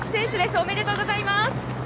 ありがとうございます。